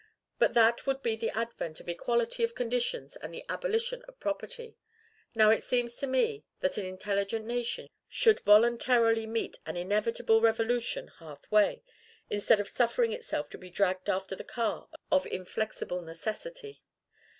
But that would be the advent of equality of conditions and the abolition of property. Now it seems to me, that an intelligent nation should voluntarily meet an inevitable revolution half way, instead of suffering itself to be dragged after the car of inflexible necessity.